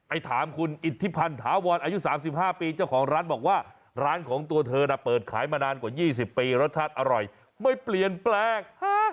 ถามคุณอิทธิพันธ์ถาวรอายุ๓๕ปีเจ้าของร้านบอกว่าร้านของตัวเธอน่ะเปิดขายมานานกว่า๒๐ปีรสชาติอร่อยไม่เปลี่ยนแปลง